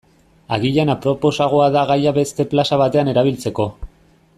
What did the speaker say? Agian aproposagoa da gaia beste plaza batean erabiltzeko.